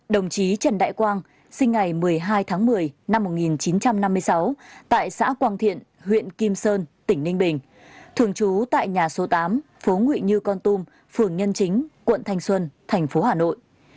đồng chí trần đại quang sinh ngày một mươi hai tháng một mươi năm một nghìn chín trăm năm mươi sáu tại xã quang thiện huyện kim sơn tỉnh ninh bình thường trú tại nhà số tám phố nguyện như con tum phường nhân chính quận thanh xuân thành phố hà nội